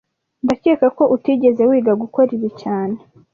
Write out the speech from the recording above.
Ndakeka ko utigeze wiga gukora ibi cyane